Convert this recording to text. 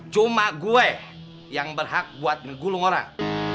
cuma gue yang berhak buat menggulung orang